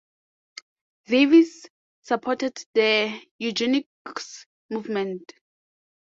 Davis supported the eugenics movement.